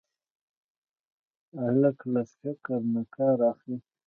هلک له فکر نه کار اخلي.